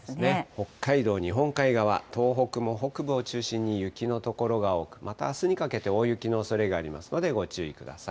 北海道日本海側、東北も北部を中心に雪の所が多く、またあすにかけて大雪のおそれがありますので、ご注意ください。